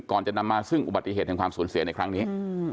ก่อนจะนำมาซึ่งอุบัติเหตุแห่งความสูญเสียในครั้งนี้